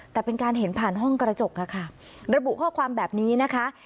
แต่เป็นการเห็นผ่านห้องกระจกค่ะระบุข้อความแบบนี้นะคะ